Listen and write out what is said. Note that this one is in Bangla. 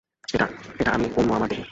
এটা আমি, অন্য আমার দেহে।